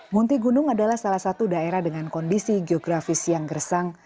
munti gunung adalah salah satu daerah dengan kondisi geografis yang gersang